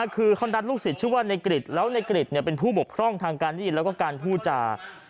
คือเขานัดลูกศิษย์ชื่อว่าในกริจแล้วในกริจเป็นผู้บกพร่องทางการได้ยินแล้วก็การพูดจา